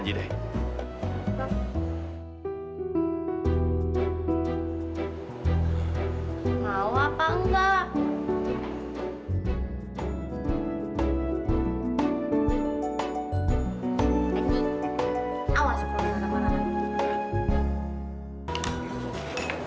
anjing awas kalau ada marah marah